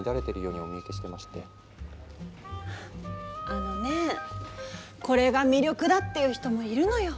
あのねこれが魅力だって言う人もいるのよ。